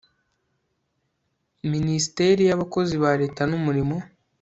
minisiteri y abakozi ba leta n umurimo